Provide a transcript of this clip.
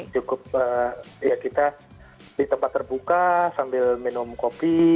cukup ya kita di tempat terbuka sambil minum kopi